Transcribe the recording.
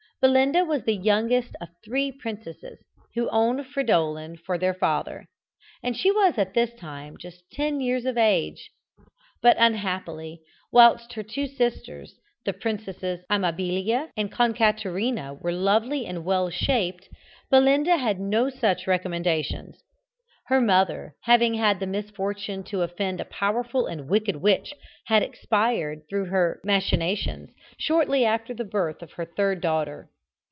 Belinda was the youngest of three princesses who owned Fridolin for their father, and she was at this time just ten years of age. But, unhappily, whilst her two sisters, the Princesses Amabilia and Concaterina were lovely and well shaped, Belinda had no such recommendations. Her mother, having had the misfortune to offend a powerful and wicked witch, had expired, through her machinations, shortly after the birth of her third daughter.